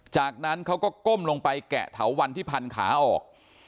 จากนั้นเขาก็ก้มลงไปแกะเถาวันที่พันขาออก